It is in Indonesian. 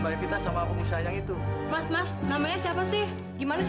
kamu bilang kamu cinta sama aku tapi mana